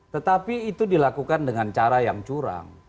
tetapi itu dilakukan dengan cara yang curang